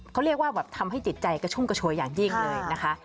เขาเรียกว่าแบบทำให้จิตใจกระชุ่มกระโชยอย่างยิ่งเลยนะคะ